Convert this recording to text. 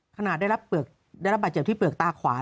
ขนาดได้รับบัตรเจ็บที่เปลือกตาขวา